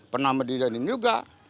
pernah medidani juga